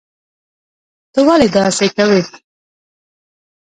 ته ولي داسي کوي